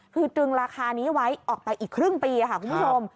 คือตึงราคานี้ไว้ออกไปอีกครึ่งปีค่ะคุณผู้ชม